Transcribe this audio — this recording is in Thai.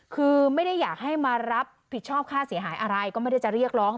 คือไม่ได้อยากให้มารับผิดชอบค่าเสียหายอะไรก็ไม่ได้จะเรียกร้อง